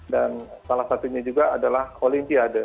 dan salah satunya juga adalah olimpiade